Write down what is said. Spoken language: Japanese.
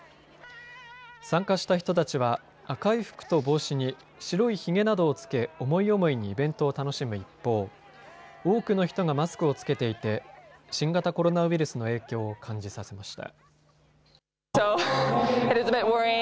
参加した人たちは赤い服と帽子に白いひげなどを付け思い思いにイベントを楽しむ一方、多くの人がマスクを着けていて新型コロナウイルスの影響を感じさせました。